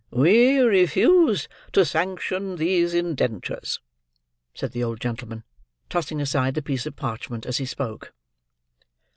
"We refuse to sanction these indentures," said the old gentleman: tossing aside the piece of parchment as he spoke.